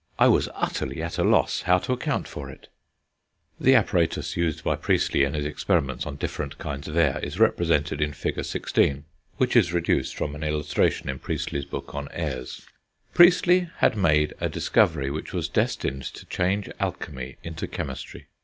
I was utterly at a loss how to account for it." [Illustration: FIG. XVI.] The apparatus used by Priestley, in his experiments on different kinds of air, is represented in Fig. XVI., which is reduced from an illustration in Priestley's book on Airs. Priestley had made a discovery which was destined to change Alchemy into Chemistry.